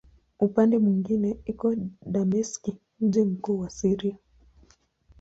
Upande mwingine iko Dameski, mji mkuu wa Syria.